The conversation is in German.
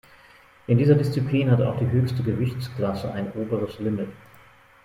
In dieser Disziplin hat auch die höchste Gewichtsklasse ein oberes Limit.